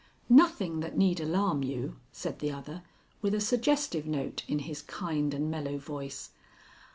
"Nothing that need alarm you," said the other with a suggestive note in his kind and mellow voice.